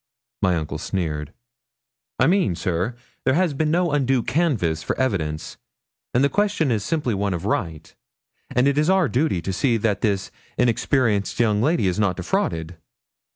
My uncle sneered. 'I mean, sir, there has been no undue canvass for evidence, and the question is simply one of right; and it is our duty to see that this inexperienced young lady is not defrauded.'